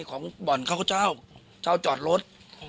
ของบ่อนข้าพเจ้าเจ้าจอดรถ